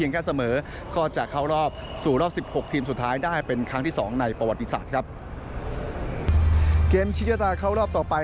เกมชัดอย่างต่อเข้ารอบต่อไป